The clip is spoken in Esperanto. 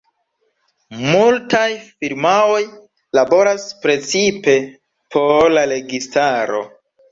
Multaj firmaoj laboras precipe por la registaro.